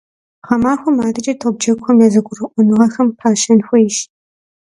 Гъэмахуэм адэкӀэ топджэгухэм я зэгурыӀуэныгъэхэм пащэн хуейщ.